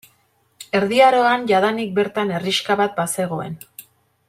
Erdi Aroan jadanik bertan herrixka bat bazegoen.